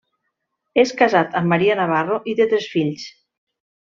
És casat amb Maria Navarro i té tres fills: